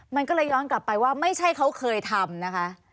มันก็เลยย้อนกลับไปว่าไม่ใช่เขาเคยทำนะคะ